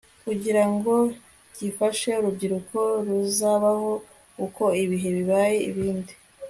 kugira ngo gifashe urubyiruko ruzabaho uko ibihe bihaye ibindi